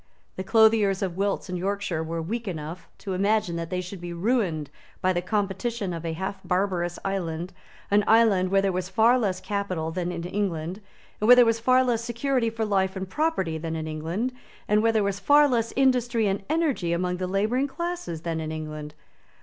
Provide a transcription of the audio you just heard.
The clothiers of Wilts and Yorkshire were weak enough to imagine that they should be ruined by the competition of a half barbarous island, an island where there was far less capital than in England, where there was far less security for life and property than in England, and where there was far less industry and energy among the labouring classes than in England.